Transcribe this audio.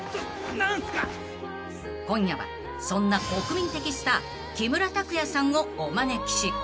［今夜はそんな国民的スター木村拓哉さんをお招きし］